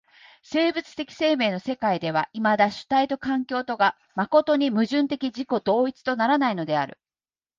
生物的生命の世界ではいまだ主体と環境とが真に矛盾的自己同一とならないのである。